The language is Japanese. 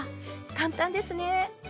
簡単ですね。